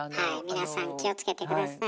皆さん気をつけて下さい。